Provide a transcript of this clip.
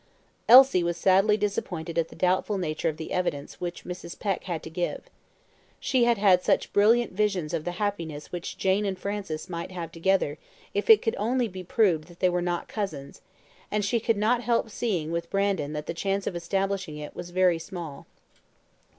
Elsie was sadly disappointed at the doubtful nature of the evidence which Mrs. Peck had to give. She had had such brilliant visions of the happiness which Jane and Francis might have together if it could only be proved that they were not cousins; and she could not help seeing with Brandon that the chance of establishing it was very small.